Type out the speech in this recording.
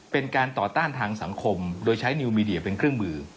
เป็นการต่อต้านทางสังคมโดยใช้นิวมีเดียเป็นเครื่องมือ